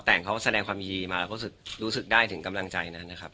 แต่งเขาแสดงความยินดีมาแล้วก็รู้สึกได้ถึงกำลังใจนั้นนะครับ